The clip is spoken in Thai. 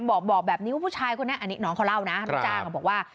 บอกแบบนี้ว่าผู้ชายคนนี้อันนี้น้องเขาเล่านะลูกจ้างบอกว่า